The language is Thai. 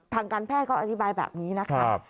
ทางการแพทย์เขาอธิบายแบบนี้นะคะ